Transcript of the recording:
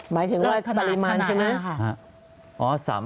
หมายถึงว่าปริมาณใช่ไหม